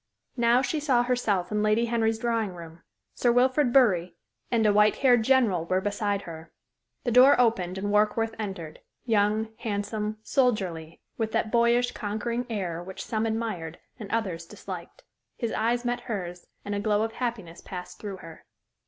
Now she saw herself in Lady Henry's drawing room; Sir Wilfrid Bury and a white haired general were beside her. The door opened and Warkworth entered young, handsome, soldierly, with that boyish, conquering air which some admired and others disliked. His eyes met hers, and a glow of happiness passed through her.